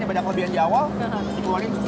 daripada kelebihan di awal